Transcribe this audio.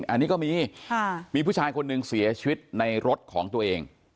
อันนี้ก็มีมีผู้ชายคนหนึ่งเสียชีวิตในรถของตัวเอง